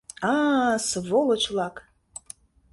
А-а, сволочь-влак!